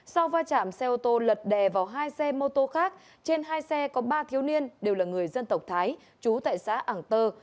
sau va chạm xe ô tô lật đè vào hai xe mô tô khác trên hai xe có ba thiếu niên đều là người dân tộc thái chú tại xã ảng tơ